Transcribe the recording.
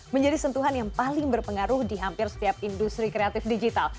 menjadi sentuhan yang paling berpengaruh di hampir setiap industri kreatif digital